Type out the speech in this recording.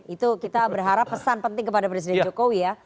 itu kita berharap pesan penting kepada presiden jokowi ya